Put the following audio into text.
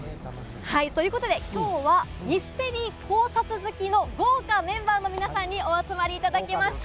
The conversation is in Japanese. ということで、きょうはミステリー考察好きの豪華メンバーの皆さんにお集まりいただきました。